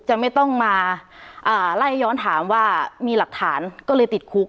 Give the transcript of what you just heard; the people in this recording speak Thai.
จะต้องมาไล่ย้อนถามว่ามีหลักฐานก็เลยติดคุก